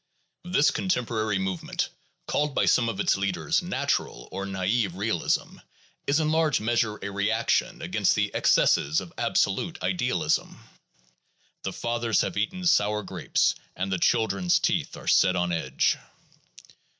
This contemporary movement, called by some of its leaders "natural" or "naive" real ism, is in large measure a reaction against the excesses of absolute idealism ; the fathers have eaten sour grapes and the children 's teeth are set on edge.